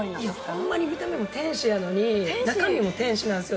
あんまり見た目も天使やのに、中身も天使なんですよ。